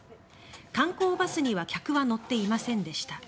観光バスには客は乗っていませんでした。